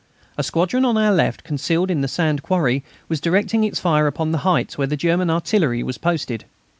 A squadron on our left, concealed in a sand quarry, was directing its fire upon the heights where the German artillery was posted.